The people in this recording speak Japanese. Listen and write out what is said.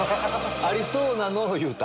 ありそうなのを言うた。